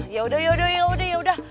yaudah yaudah yaudah yaudah